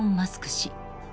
氏。